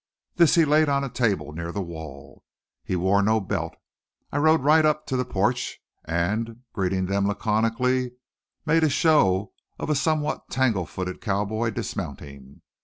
This he laid on a table near the wall. He wore no belt. I rode right up to the porch and, greeting them laconically, made a show of a somewhat tangle footed cowboy dismounting.